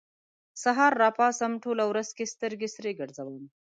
سهار راپاڅم، ټوله ورځ کې سترګې سرې ګرځوم